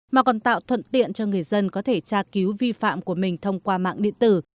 mà còn tạo thuận tiện cho người dân có thể tra cứu vi phạm của mình thông qua mạng điện tử